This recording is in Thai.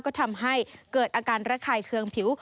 ก็ทำให้เกิดอาการระคายเคืองผิว